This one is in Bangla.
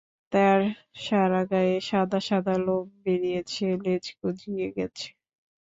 তাঁর সারাগায়ে সাদা-সাদা লোম বেরিয়েছে লেজ গজিয়ে গেছে।